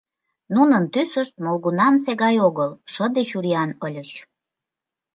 Нунын тӱсышт молгунамсе гай огыл: шыде чуриян ыльыч.